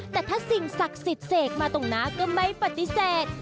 แต่ถ้าสิ่งศักดิ์สิทธิ์เสกมาตรงหน้าก็ไม่ปฏิเสธ